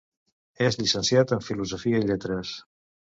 És llicenciat en Filosofia i Lletres.